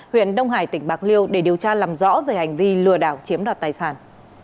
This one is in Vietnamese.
huyện đông hải tỉnh bạc liêu để điều tra làm rõ về hành vi lừa đảo chiếm đoạt tài sản